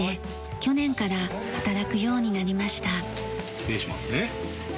失礼しますね。